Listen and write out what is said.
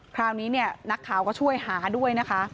คราวนี้เนี่ยนักข่าวก็ช่วยหาด้วยนะคะ